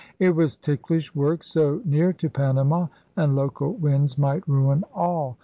It was ticklish work, so near to Panama; and local winds might ruin all.